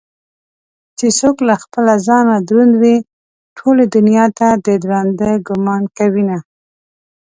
چې څوك له خپله ځانه دروند وي ټولې دنياته ددراندۀ ګومان كوينه